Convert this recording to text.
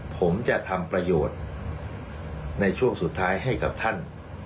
ผมจะทำประโยชน์ในช่วงสุดท้ายให้กับท่าน